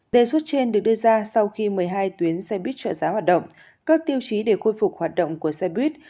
đề xuất trên được đưa ra sau khi một mươi hai tuyến xe buýt trợ giá hoạt động các tiêu chí để khôi phục hoạt động của xe buýt